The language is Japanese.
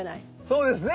そうですね